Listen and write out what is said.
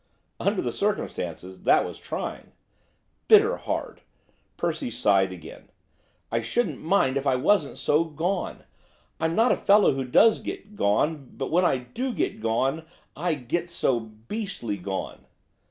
'Under the circumstances, that was trying.' 'Bitter hard.' Percy sighed again. 'I shouldn't mind if I wasn't so gone. I'm not a fellow who does get gone, but when I do get gone, I get so beastly gone.